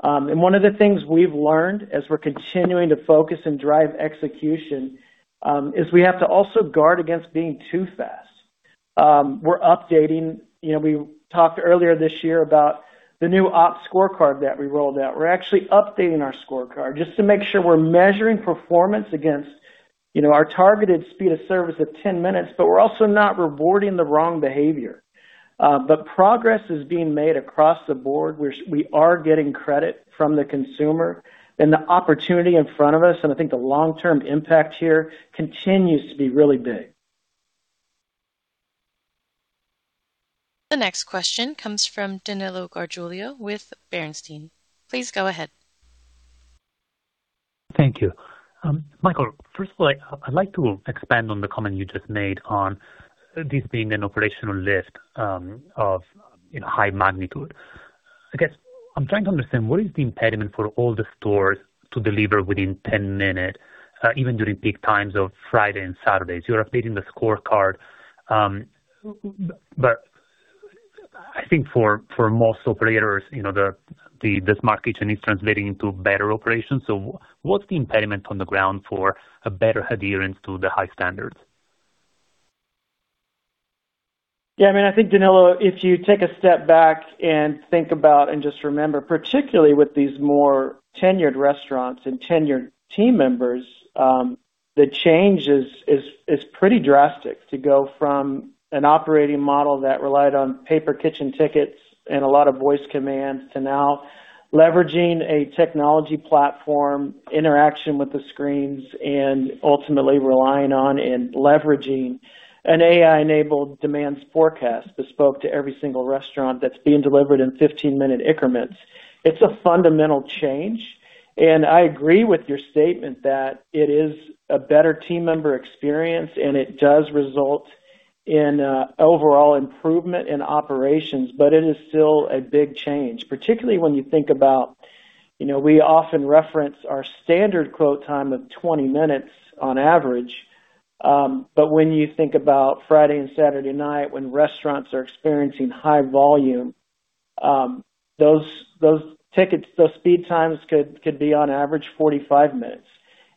One of the things we've learned as we're continuing to focus and drive execution is we have to also guard against being too fast. You know, we talked earlier this year about the new ops scorecard that we rolled out. We're actually updating our scorecard just to make sure we're measuring performance against, you know, our targeted speed of service at 10 minutes, but we're also not rewarding the wrong behavior. Progress is being made across the board, which we are getting credit from the consumer and the opportunity in front of us, and I think the long-term impact here continues to be really big. The next question comes from Danilo Gargiulo with Bernstein. Please go ahead. Thank you. Michael, first of all, I'd like to expand on the comment you just made on this being an operational lift of high magnitude. I guess I'm trying to understand what is the impediment for all the stores to deliver within 10 minutes, even during peak times of Friday and Saturdays. You are updating the scorecard, I think for most operators, you know, the Smart Kitchen is translating into better operations. What's the impediment on the ground for a better adherence to the high standards? Yeah, I mean, I think, Danilo, if you take a step back and think about and just remember, particularly with these more tenured restaurants and tenured team members, the change is pretty drastic to go from an operating model that relied on paper kitchen tickets and a lot of voice commands to now leveraging a technology platform interaction with the screens and ultimately relying on and leveraging an AI-enabled demand forecast bespoke to every single restaurant that's being delivered in 15-minute increments. It's a fundamental change. I agree with your statement that it is a better team member experience, and it does result in overall improvement in operations. It is still a big change, particularly when you think about, you know, we often reference our standard quote time of 20 minutes on average. When you think about Friday and Saturday night, when restaurants are experiencing high volume, those tickets, those speed times could be on average 45 minutes.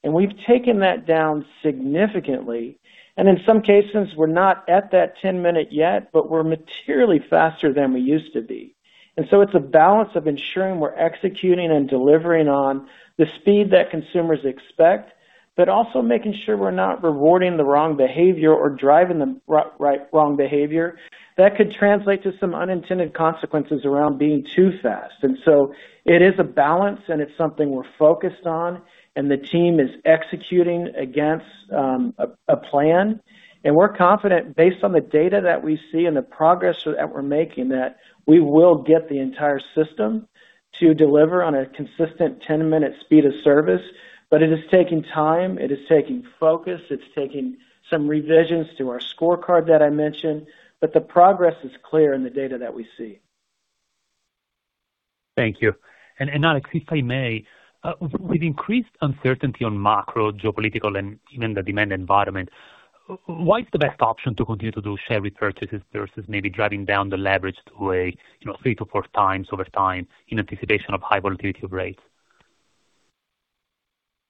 We've taken that down significantly, and in some cases, we're not at that 10 minute yet, but we're materially faster than we used to be. It's a balance of ensuring we're executing and delivering on the speed that consumers expect, but also making sure we're not rewarding the wrong behavior or driving the wrong behavior that could translate to some unintended consequences around being too fast. It is a balance, and it's something we're focused on, and the team is executing against a plan. We're confident based on the data that we see and the progress that we're making, that we will get the entire system to deliver on a consistent 10-minute speed of service. It is taking time, it is taking focus, it's taking some revisions to our scorecard that I mentioned, but the progress is clear in the data that we see. Thank you. Alex, if I may, with increased uncertainty on macro, geopolitical, and even the demand environment, why is the best option to continue to do share repurchases versus maybe driving down the leverage to a, you know, 3x-4x over time in anticipation of high volatility of rates?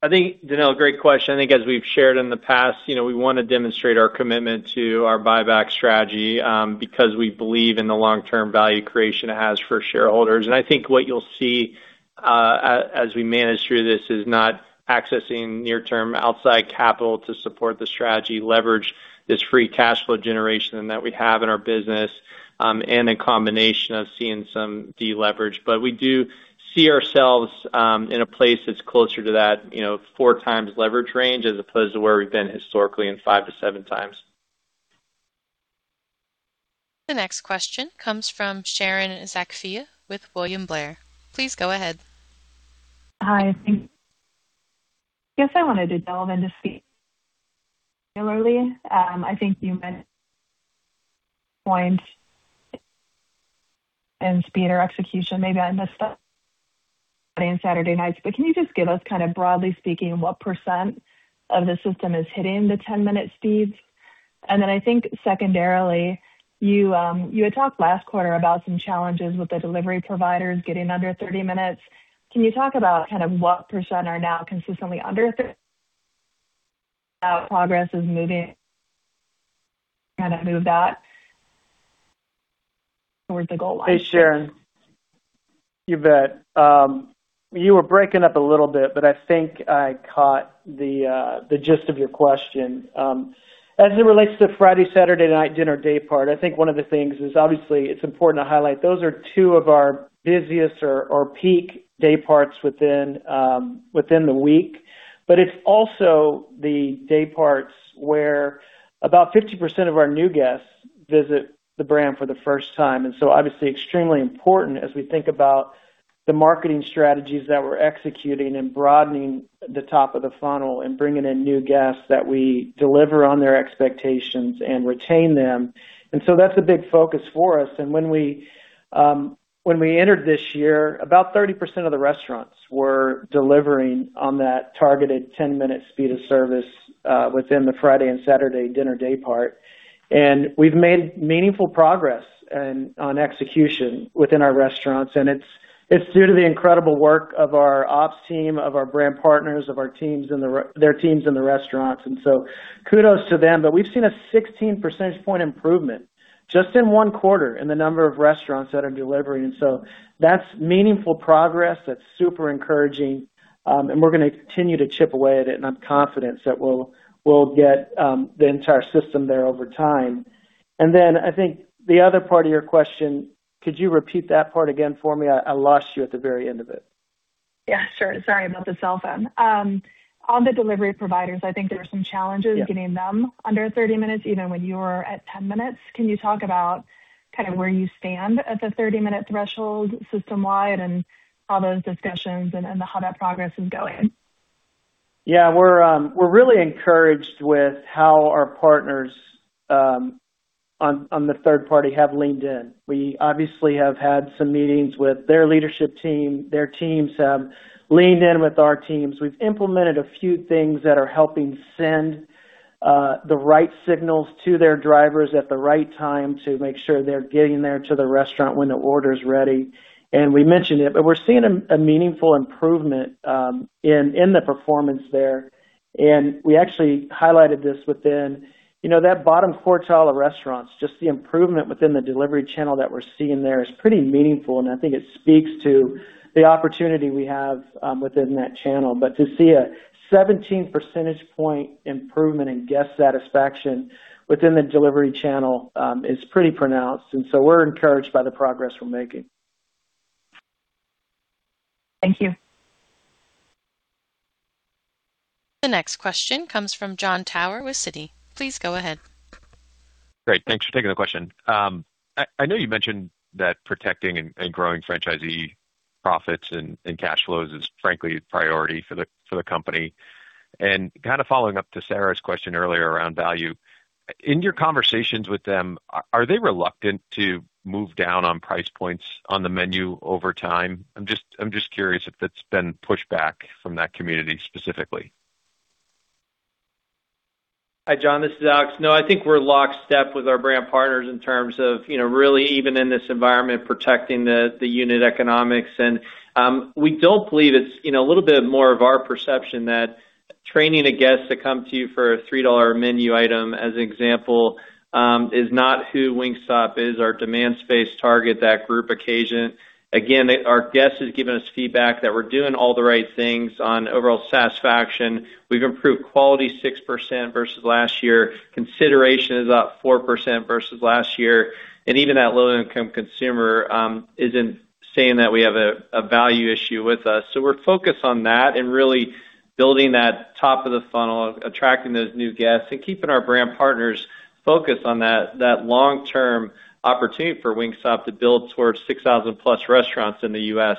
I think, Danilo, great question. I think as we've shared in the past, you know, we wanna demonstrate our commitment to our buyback strategy, because we believe in the long-term value creation it has for shareholders. I think what you'll see. As we manage through this is not accessing near-term outside capital to support the strategy, leverage this free cash flow generation that we have in our business, and in combination of seeing some deleverage. We do see ourselves, in a place that's closer to that, you know, 4x leverage range as opposed to where we've been historically in 5x-7x. The next question comes from Sharon Zackfia with William Blair. Please go ahead. Hi. Thank you. Guess I wanted to develop into speed. Similarly, I think you made a point in speed or execution, maybe I missed that Friday and Saturday nights. Can you just give us kind of broadly speaking, what percent of the system is hitting the 10-minute speeds? Then I think secondarily, you had talked last quarter about some challenges with the delivery providers getting under 30 minutes. Can you talk about kind of what percent are now consistently under, progress is moving, kind of move that towards the goal line? Hey, Sharon. You bet. You were breaking up a little bit, I think I caught the gist of your question. As it relates to Friday, Saturday night dinner daypart, I think one of the things is obviously it's important to highlight. Those are two of our busiest or peak dayparts within the week. It's also the dayparts where about 50% of our new guests visit the brand for the first time, obviously extremely important as we think about the marketing strategies that we're executing and broadening the top of the funnel and bringing in new guests that we deliver on their expectations and retain them. That's a big focus for us. When we entered this year, about 30% of the restaurants were delivering on that targeted 10-minute speed of service within the Friday and Saturday dinner daypart. We've made meaningful progress on execution within our restaurants, it's due to the incredible work of our ops team, of our brand partners, of their teams in the restaurants, kudos to them. We've seen a 16 percentage point improvement just in one quarter in the number of restaurants that are delivering. That's meaningful progress. That's super encouraging. We're gonna continue to chip away at it, I'm confident that we'll get the entire system there over time. I think the other part of your question, could you repeat that part again for me? I lost you at the very end of it. Yeah, sure. Sorry about the cell phone. On the delivery providers, I think there were some challenges. Yeah. Getting them under 30 minutes even when you were at 10 minutes. Can you talk about kind of where you stand at the 30-minute threshold system-wide and all those discussions and how that progress is going? Yeah, we're really encouraged with how our partners on the third party have leaned in. We obviously have had some meetings with their leadership team. Their teams have leaned in with our teams. We've implemented a few things that are helping send the right signals to their drivers at the right time to make sure they're getting there to the restaurant when the order is ready. We mentioned it, but we're seeing a meaningful improvement in the performance there. We actually highlighted this within, you know, that bottom quartile of restaurants, just the improvement within the delivery channel that we're seeing there is pretty meaningful, and I think it speaks to the opportunity we have within that channel. To see a 17 percentage point improvement in guest satisfaction within the delivery channel is pretty pronounced. We're encouraged by the progress we're making. Thank you. The next question comes from Jon Tower with Citi. Please go ahead. Great. Thanks for taking the question. I know you mentioned that protecting and growing franchisee profits and cash flows is frankly priority for the company. Kind of following up to Sara's question earlier around value, in your conversations with them, are they reluctant to move down on price points on the menu over time? I'm just curious if it's been pushed back from that community specifically. Hi, Jon, this is Alex. No, I think we're lockstep with our brand partners in terms of really even in this environment, protecting the unit economics. We don't believe it's a little bit more of our perception that training a guest to come to you for a $3 menu item, as an example, is not who Wingstop is. Our demand space target that group occasion. Again, our guest has given us feedback that we're doing all the right things on overall satisfaction. We've improved quality 6% versus last year. Consideration is up 4% versus last year. Even that low income consumer isn't saying that we have a value issue with us. We're focused on that and really building that top of the funnel, attracting those new guests, and keeping our brand partners focused on that long-term opportunity for Wingstop to build towards 6,000+ restaurants in the U.S.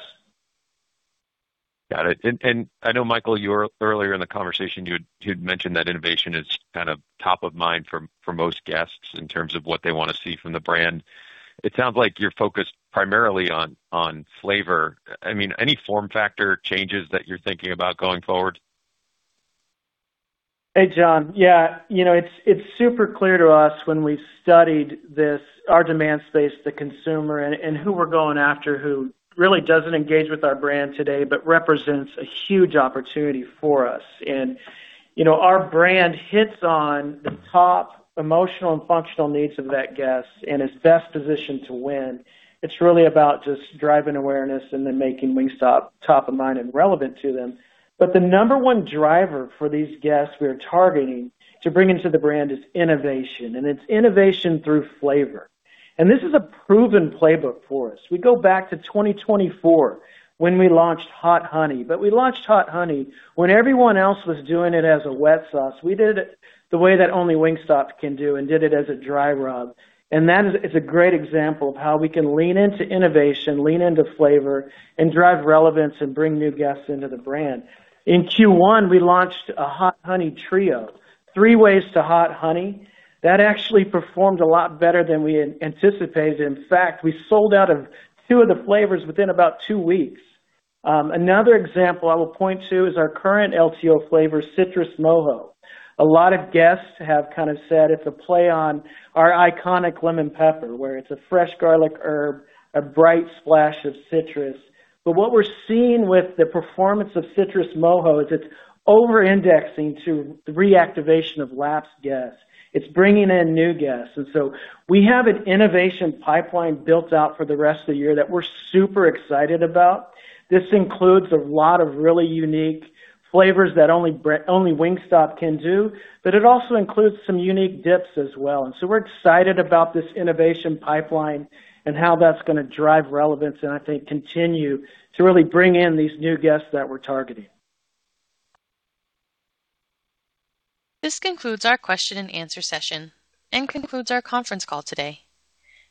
Got it. I know, Michael, you earlier in the conversation, you'd mentioned that innovation is kind of top of mind for most guests in terms of what they wanna see from the brand. It sounds like you're focused primarily on flavor. I mean, any form factor changes that you're thinking about going forward? Hey, Jon. Yeah, you know, it's super clear to us when we've studied this, our demand space, the consumer and who we're going after, who really doesn't engage with our brand today, but represents a huge opportunity for us. You know, our brand hits on the top emotional and functional needs of that guest and is best positioned to win. It's really about just driving awareness and then making Wingstop top of mind and relevant to them, but the number one driver for these guests we are targeting to bring into the brand is innovation, and it's innovation through flavor. This is a proven playbook for us. We go back to 2024 when we launched Hot Honey. We launched Hot Honey when everyone else was doing it as a wet sauce. We did it the way that only Wingstop can do and did it as a dry rub. That is a great example of how we can lean into innovation, lean into flavor, and drive relevance and bring new guests into the brand. In Q1, we launched a Hot Honey Trio, three ways to Hot Honey. That actually performed a lot better than we anticipated. In fact, we sold out of two of the flavors within about two weeks. Another example I will point to is our current LTO flavor, Citrus Mojo. A lot of guests have kind of said it's a play on our iconic Lemon Pepper, where it's a fresh garlic herb, a bright splash of citrus. What we're seeing with the performance of Citrus Mojo is it's over-indexing to the reactivation of lapsed guests. It's bringing in new guests. We have an innovation pipeline built out for the rest of the year that we're super excited about. This includes a lot of really unique flavors that only Wingstop can do, but it also includes some unique dips as well. We're excited about this innovation pipeline and how that's gonna drive relevance and I think continue to really bring in these new guests that we're targeting. This concludes our question and answer session and concludes our conference call today.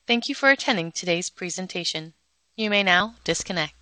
Thank you for attending today's presentation. You may now disconnect.